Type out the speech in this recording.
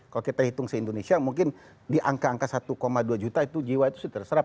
kalau kita hitung se indonesia mungkin di angka angka satu dua juta itu jiwa itu sudah terserap